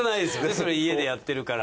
そりゃ家でやってるから。